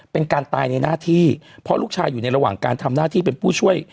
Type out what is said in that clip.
เป็นการตายในหน้าที่เพราะลูกชายอยู่ในระหว่างการทำหน้าที่เป็นผู้ช่วย